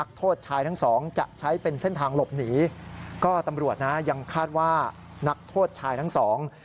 ก็ตำรวจยังคาดว่านักโทษชายทั้งสอง